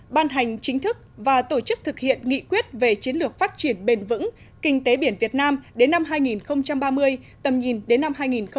ban hành chính thức và tổ chức thực hiện nghị quyết về chiến lược phát triển bền vững kinh tế biển việt nam đến năm hai nghìn ba mươi tầm nhìn đến năm hai nghìn bốn mươi năm